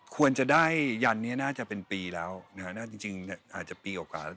ควรจะได้ยันนี้น่าจะเป็นปีแล้วนะฮะจริงอาจจะปีกว่าแล้ว